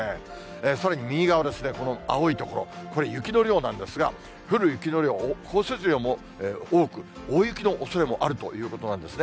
さらに右側ですね、この青い所、これ、雪の量なんですが、降る雪の量、降雪量も多く、大雪のおそれがあるということなんですね。